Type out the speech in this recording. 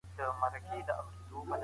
د داستان اتلان زموږ استازیتوب کوي.